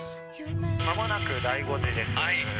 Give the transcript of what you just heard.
間もなく醍醐寺です・